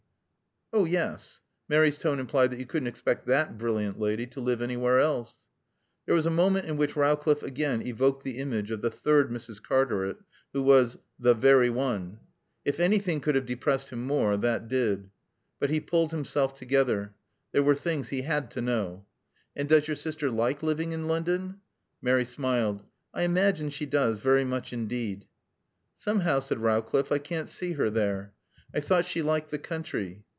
"Oh, yes." Mary's tone implied that you couldn't expect that brilliant lady to live anywhere else. There was a moment in which Rowcliffe again evoked the image of the third Mrs. Cartaret who was "the very one." If anything could have depressed him more, that did. But he pulled himself together. There were things he had to know. "And does your sister like living in London?" Mary smiled. "I imagine she does very much indeed." "Somehow," said Rowcliffe, "I can't see her there. I thought she liked the country."